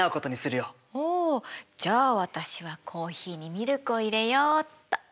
おじゃあ私はコーヒーにミルクを入れようっと。